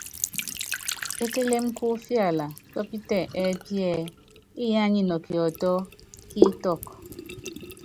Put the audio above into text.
Ékélém kú ifiala tɔ́pítɛ ɛ́pí ɛ́ɛ : Iyá nyɛ nɔ kiɔtɔ́ kí itɔ́k.